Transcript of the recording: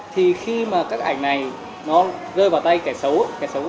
thì khi mà các ảnh này nó rơi vào tay kẻ xấu